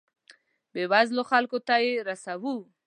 بیوزلو خلکو ته یې رسوو.